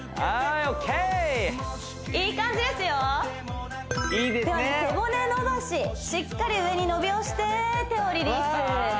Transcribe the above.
いい感じですよでは背骨伸ばししっかり上に伸びをして手をリリース